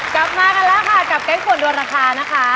กลับมากันแล้วค่ะกับแก๊งปวดดวนราคานะคะ